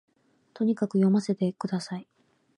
とにかく読ませて下さい